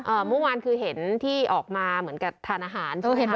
เมื่อวานคือเห็นที่ออกมาเหมือนกับทานอาหารใช่ไหมคะ